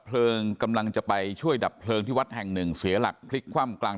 เพลิงกำลังจะไปช่วยดับเพลิงที่วัดแห่งหนึ่งเสียหลักพลิกคว่ำกลาง